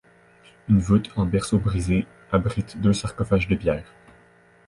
Une voûte en berceau brisé abrite deux sarcophages de pierre.